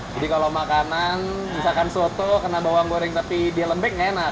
jadi kalau makanan misalkan soto kena bawang goreng tapi dia lembek enak